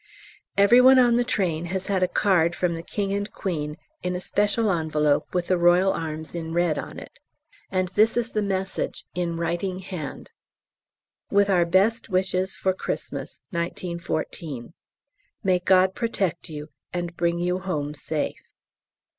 Every one on the train has had a card from the King and Queen in a special envelope with the Royal Arms in red on it. And this is the message (in writing hand) "With our best wishes for Christmas, 1914. _May God protect you and bring you home safe.